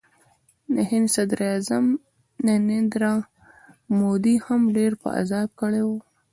د هند صدراعظم نریندرا مودي هم ډېر په عذاب کړی و